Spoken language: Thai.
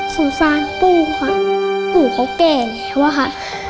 สงสารปู่ค่ะปู่เขาแก่แล้วอะค่ะ